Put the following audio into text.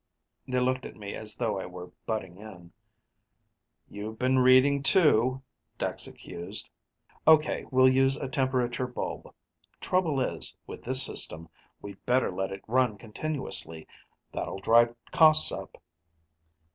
They looked at me as though I were butting in. "You've been reading, too," Dex accused. "Ok, we'll use a temperature bulb. Trouble is, with this system, we'd better let it run continuously. That'll drive costs up."